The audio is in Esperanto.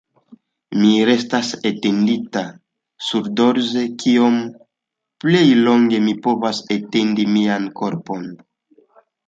Mi restas etendita surdorse, kiom plej longe mi povas etendi mian korpon.